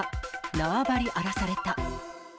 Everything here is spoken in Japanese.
縄張り荒らされた。